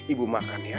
ibu makan ya